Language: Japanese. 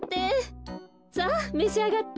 さあめしあがって。